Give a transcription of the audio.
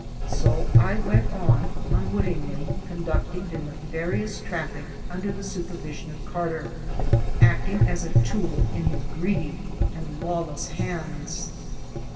So I went on, unwittingly conducting the nefarious traffic under the supervision of Carter, acting as a tool in his greedy and lawless hands.